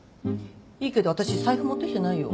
いいけど私財布持ってきてないよ？